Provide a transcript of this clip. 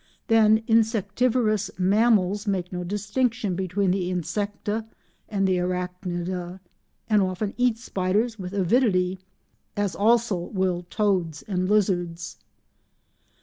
Then insectivorous mammals make no distinction between the Insecta and the Arachnida, and often eat spiders with avidity, as also will toads and lizards.